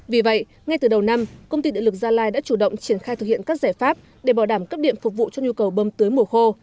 vì vậy ngay từ đầu năm công ty điện lực gia lai đã chủ động triển khai thực hiện các giải pháp để bảo đảm cấp điện phục vụ cho nhu cầu bơm tưới mùa khô